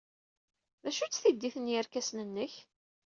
D acu-tt tiddi n yerkasen-nnek?